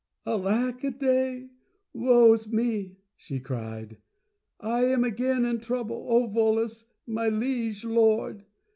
"Alack a day, woe is me," she cried, "I am again in trouble, O, Volos, my liege lord!